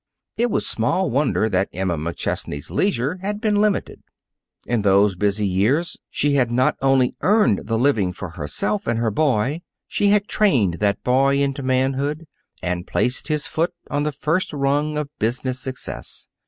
It was small wonder that Emma McChesney's leisure had been limited. In those busy years she had not only earned the living for herself and her boy; she had trained that boy into manhood and placed his foot on the first rung of business success.